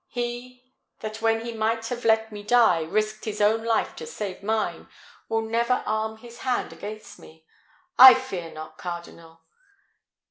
"He, that when he might have let me die, risked his own life to save mine, will never arm his hand against me: I fear not, cardinal.